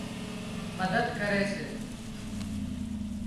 مدد ڪري سي